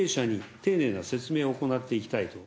丁寧な説明を行っていきたいと。